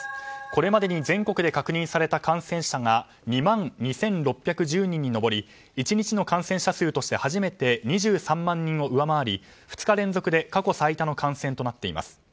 これまでに全国で確認された感染者が２万２６１０人に上り１日の感染者数として初めて２３万人を上回り２日連続で過去最多の感染となっています。